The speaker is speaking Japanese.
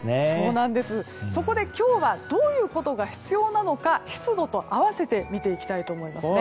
そこで今日はどういうことが必要なのか湿度と併せて見ていきたいと思います。